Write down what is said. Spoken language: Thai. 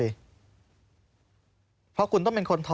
เพราะคุณต้องเป็นคนถอดไส้ออกเองเพราะคุณต้องเป็นคนถอดไส้ออกเอง